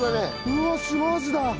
うわっシマアジだ！